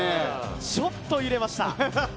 ちょっと揺れました